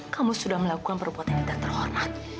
kamu sudah melakukan perbuatan yang tidak terhormat